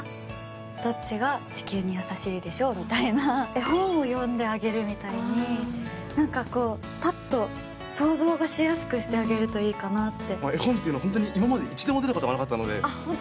絵本を読んであげるみたいに、パッと想像がしやすくしてあげるといいかなって。